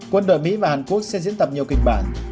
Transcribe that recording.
quân đội mỹ và hàn quốc sẽ diễn tập nhiều kịch bản